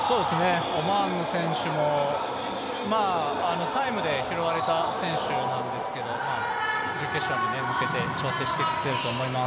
オマーンの選手もタイムで拾われた選手なんですけど準決勝に向けて調整してきていると思います。